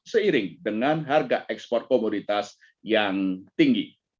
seiring dengan harga ekspor komoditas yang tinggi